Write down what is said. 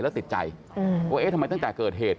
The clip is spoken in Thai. แล้วติดใจว่าเอ๊ะทำไมตั้งแต่เกิดเหตุ